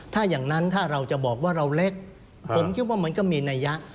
ถ้าอย่างนั้นถ้าเราจะบอกว่าเราเล็กผมคิดว่ามันก็มีนัยยะ